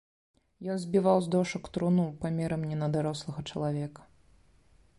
Ён збіваў з дошак труну, памерам не на дарослага чалавека.